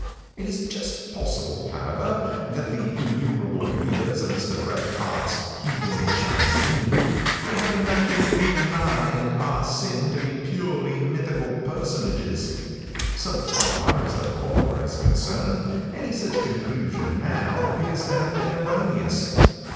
It is just possible, however, that the innumerable readers of Mr. Bret Harte's 'Heathen Chinee' may have imagined Bill Nye and Ah Sin to be purely mythical personages. So far as the former is concerned, any such conclusion now appears to have been erroneous.